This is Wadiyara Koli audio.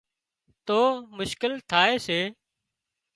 تو مشڪل ٿائي سي